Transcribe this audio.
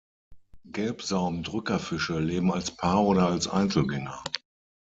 Gelbsaum-Drückerfische leben als Paar oder als Einzelgänger.